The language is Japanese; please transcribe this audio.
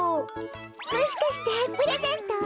もしかしてプレゼント？